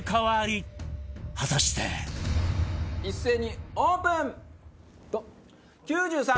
果たして一斉にオープン！